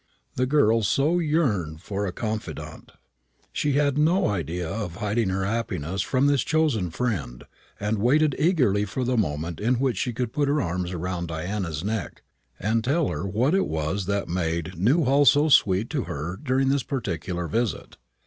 The girl so yearned for a confidante. She had no idea of hiding her happiness from this chosen friend, and waited eagerly for the moment in which she could put her arms round Diana's neck and tell her what it was that had made Newhall so sweet to her during this particular visit.